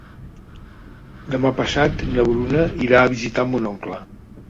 Demà passat na Bruna irà a visitar mon oncle.